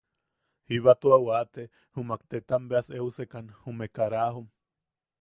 Jiba tua waate jumak tetam beas eusekan jume karajom.